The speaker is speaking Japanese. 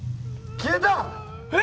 消えた！